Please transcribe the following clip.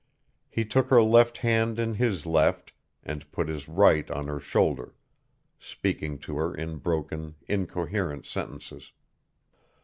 He took her left hand in his left and put his right on her shoulder, speaking to her in broken, incoherent sentences.